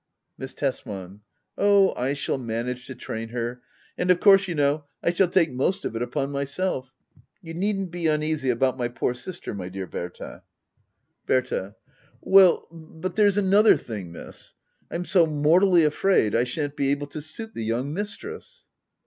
Miss Tesman. Oh, I shall manage to train her. And of course, you know, I shall take most of it upon myself. You needn't be uneasy about my poor sister, my dear Berta. ^ Pronounce Reena, Digitized by Google HEDDA OABLER. ACT I. Bbrta. Well, but there's another thing. Miss. I'm so mortally afraid I shan't be able to suit the young mistress.